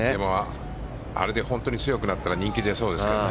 あれで本当に強くなったら人気出そうですけどね。